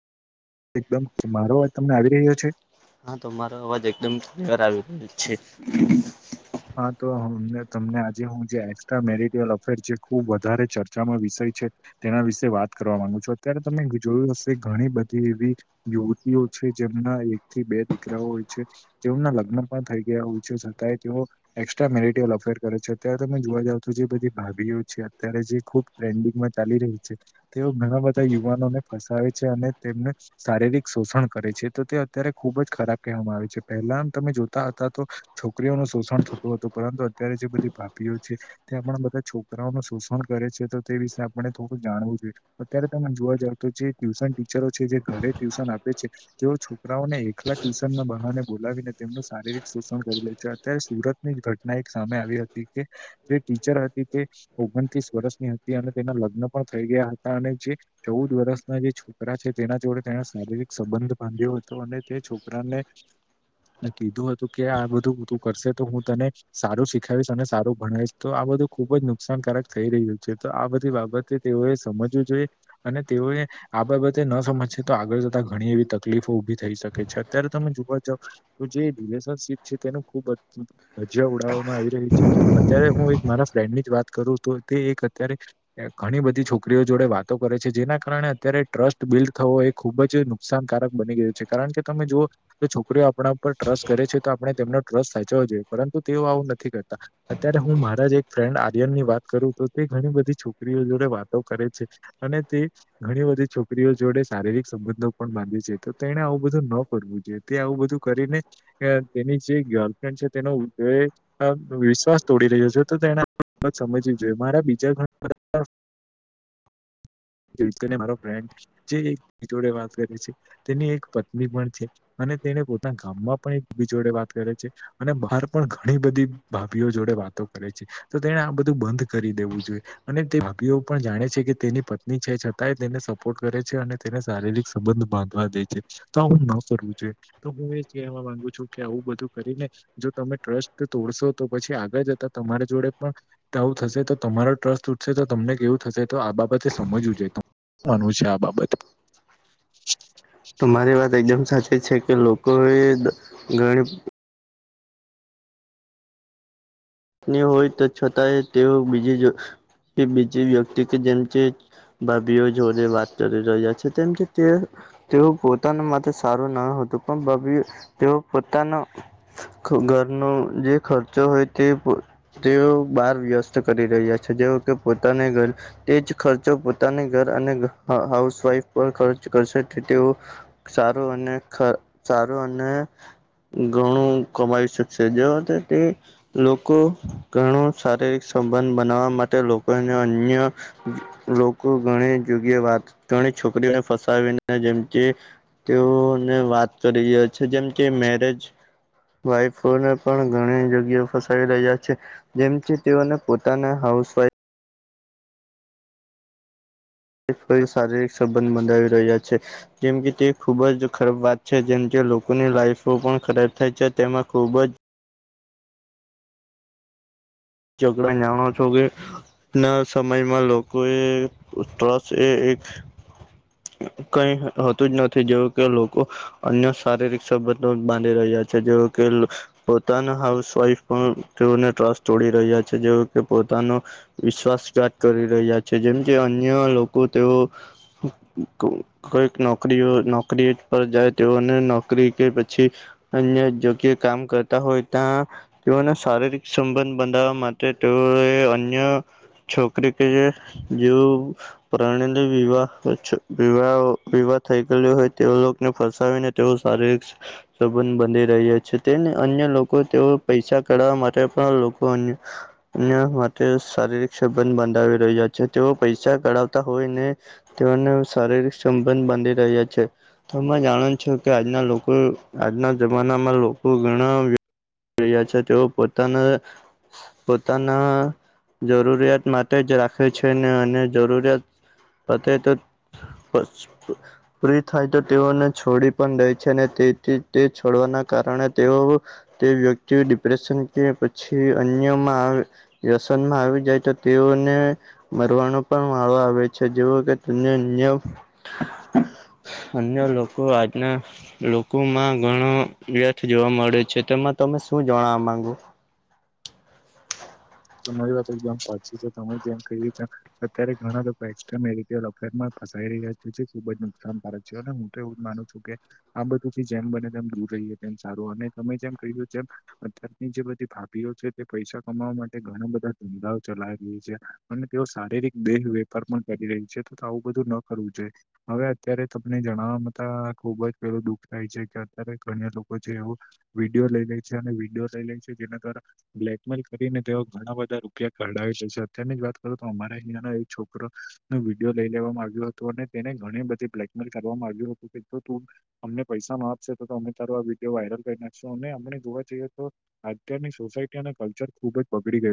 એકદમ, મારો અવાજ તમને આવી રહ્યો છે? હા, તમારો અવાજ એકદમ, ક્લિયર આવી રહ્યો છે. હા, તો અમને તમને આજે, હું જે એસ્ટ્રા મેરીટલ અફેર જે ખૂબ વધારે ચર્ચામાં વિષય છે. તેના વિશે વાત કરવા માંગુ છું, અત્યારે તમે જોયું હશે, ઘણી બધી એવી યુવતીઓ છે, જેમના એક થી બે દીકરાઓ હોય છે. જેઓના લગ્ન પણ થઈ ગયા, ઓછા છતાંય તેઓ એસ્ટ્રા મેરિટયલ અફેર કરે છે, અત્યારે તમે જોવા જાવ તો, જે બધી ભાભીઓ છે, અત્યારે જે ખૂબ ટ્રેન્ડિંગમાં ચાલી રહી છે, તેઓ ઘણા બધા યુવાનોને ફસાવે છે, અને તેમને શારીરિક શોષણ કરે છે, તો તે અત્યારે ખુબ જ ખરાબ કહેવામાં આવે છે, પહેલામ તમે જોતા હતા તો. છોકરીઓનું શોષણ થતું હતુ, પરંતુ અત્યારે જે બધી ભાભીઓ છે. તે આપણા બધા છોકરાઓનું શોષણ કરે છે, તો તે વિશે આપણે થોડું જાણવું જોઈએ. અત્યારે તમે જોવા જાવ તો, જે ટ્યુશન ટીચરો છે, જે ઘરે ટ્યુશન આપે છે. તેઓ છોકરાઓને એકલા ટ્યુશનમાં બહાને બોલાવીને, તેમનું શારીરિક શોષણ કરી લે છે, અત્યારે સુરત ની ઘટના એક સામે આવી હતી કે, જે ટીચર હતી તે ઓગણત્રીસ વર્ષની હતી, અને તેના લગ્ન પણ થઈ ગયા હતા, અને જે ચૌદ વર્ષના જે છોકરા છે, તેના જોડે તેને શારીરિક સંબંધ બાંધ્યો હતો, અને તે છોકરાને કીધું હતું કે, આ બધું તું કરશે તો, હું તને સારું શીખાવીશ, અને સારું ભણાવીશ તો, આ બધું ખુબ જ નુકસાનકારક થઈ રહ્યું છે, તો આ બધી બાબત તે તેઓએ સમજવું જોઈએ, અને તેઓ એ આ બાબતે ને સમજશે, તો આગળ જતા ઘણી એવી તકલીફો ઊભી થઈ શકે છે, અત્યારે તમે જોવા જાવ. તો જે રિલેશનશીપ છે, તેનું ખુબ જ રજ્યા ઉડાવવામાં આવી રહી છે, અત્યારે હું એક મારા ફ્રેન્ડ ની જ વાત કરું તો, તે એક અત્યારે ઘણી બધી છોકરીઓ જોડે વાતો કરે છે, જેના કારણે અત્યારે ટ્રસ્ટ બિલ્ડ થવો એક ખુબ જ નુકસાનકારક બની ગયું છે, કારણ કે તમે જોવો. તો છોકરીઓ આપણા ઉપર ટ્રસ્ટ કરે છે, તો આપણે તેમનો ટ્રસ્ટ સાચવવો જોઈએ, પરંતુ તેઓ આવું નથી કરતા. અત્યારે હું મારા જ એક ફ્રેન્ડ આર્યન ની વાત કરું તો, તે ઘણી બધી છોકરીઓ જોડે વાતો કરે છે. અને તે ઘણી બધી છોકરીઓ જોડે, શારીરિક સંબંધો પણ બાંધે છે, તો તેને આવું બધું ન પવું જોઈએ તે, આવું બધું કરીને, તેની જે ગર્લફ્રેન્ડ છે તેનો. વિશ્વાસ તોડી રહ્યો છે, તો તેને સમજવી જોઈએ, મારા બીજાણા બધા મારો ફ્રેન્ડ છે, એ એની જોડે વાત કરે છે. તેની એક પત્ની પણ છે, અને તેને પોતાના ગામમાં પણ એકબી જોડે વાત કરે છે. અને બહાર પણ ઘણી બધી ભાભીઓ જોડે વાતો કરે છે, તો તેને આ બધું બંધ કરી દેવું જોઈએ. અને તે ભાભીઓ પણ જાણે છે કે, તેની પત્ની છે, છતાંય તેને સપોર્ટ કરે છે, અને તેને શારીરિક સંબંધ બાંધવા દે છે. તો આવું ન કરવું જોઈએ તો, હું એ જ કેહવા માંગુ છું કે, આવું બધું કરીને. જો તમે ટ્રસ્ટ તોડશો તો, પછી આગળ જતા તમારી જોડે પણ તે આવું થશે, તો તમારો ટ્રસ્ટ તૂટશે, તો તમને કેવું થશે, તો આ બાબતે સમજવું જોઈ તમ માનવું છે, આ બાબતે તમારી વાત એકદમ સાચી છે કે, લોકોએ દ ગણી ની હોય તે, છતાંય તેઓ બીજી જો તે, બીજી વ્યક્તિથી જેમ કે ભાભીઓ જોડે વાત કરી રહ્યા છે, કેમ કે તે તેઓ પોતાના માટે સારું ન હતું, પણ ભાભીઓ તેઓ પોતાનું ઘરનો જે ખર્ચો હોય તે તેઓ બહાર વ્યસ્ત કરી રહ્યા છે, જેવો કે પોતાને ઘર તે જ ખર્ચો પોતાને ઘર, અને હ હાઉસવાઈફ પર ખર્ચ કરશે કે તેઓ સારું અને ખ સારું અને, ગણું કમાવી શકશે જેઓ તે તે, લોકો ઘણો શારીરિક સંબંધ બનાવવા માટે લોકોને અન્ય, લોકો ઘણી જગ્યા વાત ઘણી છોકરીઓને ફસાવીને જેમકે, તેઓને વાત કરી રહ્યા છે જેમ કે મેરેજ, વાઈફોને પણ ઘણી જગ્યા, ફસાવી રહ્યા છે જેમ કે તેઓને પોતાના હાઉસવાઈફ, શારીરિક સંબંધ બધાવી રહ્યા છે જેમ કે તે, ખૂબ જ ખરાબ વાત છે જેમ જે લોકોની લાઈફો પણ ખરાબ થાય છે તેમાં ખૂબ જ, ઝઘડા જાણો છો કે ના સમયમાં લોકો એ, ટ્રસ એ એક કઈ હતું જ નથી જેવુ, કે લોકો અન્ય શારીરિક સંબંધો બાંધી રહ્યા છે જેઓ કે લો પોતાના હાઉસવાઈફ પણ તેઓને ટ્રસ્ટ તોડી રહ્યા છે જેઓ કે પોતાનો, વિશ્વાસઘાત કરી રહ્યા છે જેમ જે અન્ય લોકો તેઓ, કોઈક નોકરીઓ નોકરીએ પર જાય તેઓને નો કરી કે પછી, અન્ય જો કે કામ કરતા હોય તા તેઓના શારીરિક સંબંધ, બંધાવા માટે તેઓએ અન્ય છોકરી કે જેવુ, પ્રાણીલી વિવાહ વિવાઓ વિવાહ થઈ, થયેલી હોય તેઓ ફસાવીને તેઓ શારીરિક, સંબંધ બંધી રહ્યા છે તેને અન્ય લોકો તેઓ પૈસા કઢાવવા માટે પણ લો કો અન્ય, અન્ય માટે શારીરિક સંબંધ બંધાવી રહ્યા છે તેઓ પૈસા કઢાવતા હોયને, તેઓને શારીરિક સંબંધ બાંધી રહ્યા છે. તમે જાણો છો કે આજના લોકો આજના જમાનામાં લોકો ઘણા વ જોયા છે તેઓ પોતાના, પોતાના જરૂરિયાત માટે જ રાખે છે ને અને જરૂરિયાત, પતે તો પ [unintelligible] પૂરી થાય તો તેઓને છોડી પણ દે છે અને તેથી તે છોડવાના કારણે તેઓ, તે વ્યક્તિ ડિપ્રેશન કે પછી અન્યમાં આવે, વ્યસનમાં આવી જાય તો તેઓને, મરવાનો પણ વારો આવે છે જેવો કે તને અન્ય, અન્ય લોકો આજના, લોકોમાં ઘણો વ્યર્થ જોવા મળે છે તેમાં તમે શું જણાવા માંગો, તમારી વાત એકદમ સાચી છે તમે જેમ કહ્યું એ રીતના, અત્યારે ઘણા લોકો એક્સ્ટ્રા મેરિટલ અફેર માં ફસાઈ રહ્યા છે જે ખુબ જ નુકસાનકારક, જેઓ નહું તો એવું જ માનું છું કે, આ બધુંથી જેમ બને તેમ દૂર રહીએ તેમ સારું અને તમે જેમ કહ્યું જેમ, અત્યારની જે બધી ભાભીઓ છે તે પૈસા કમાવા માટ તે ઘણા બધા ધંધાઓ ચલાવી રહી છે. અને તેઓ શારીરિક દેહ વેપાર પણ કરી રહી છે. તથા આવું બધું ન, કરવું જોઇએ. હવે અત્યારે તમને જણાવવામાંતા ખુબ જ પેલું દુઃખ થાય છે કે અત્યારે ઘણી લોકો છે એવું- વિડીયો લઈ લે છે અને વિડીયો લઈ લે છે જેના દ્વારા બ્લેકમેલ કરીને- તેઓ ઘણા બધા રૂપિયા કઢાવી લે છે અત્યારની જ વાત કરો તો અમારા અહીંયા નો એક છોકરો- નો વિડીયો લઈ લેવામાં આવ્યો હતો અને તેને ઘણી બધી બ્લેકમેલ કરવામાં આવ્યું હતું કે તું- અમને પૈસા ન આપશે, તો અમે તારો આ વિડીયો વાયરલ કરી નાખશું, અને અમને જોવા જઈએ તો. અત્યારની સોસાયટી અને કલ્ચર ખુબ જ બગડી ગયો.